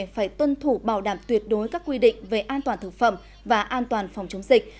phải tuân thủ bảo đảm tuyệt đối các quy định về an toàn thực phẩm và an toàn phòng chống dịch